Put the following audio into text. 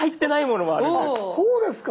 あっそうですか。